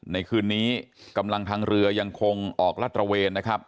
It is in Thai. คืนนี้กำลังทางเรือยังคงออกรัดตระเวนนะครับ